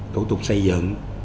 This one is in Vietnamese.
tổ tục xây dựng